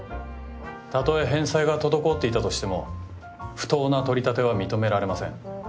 たとえ返済が滞っていたとしても不当な取り立ては認められません。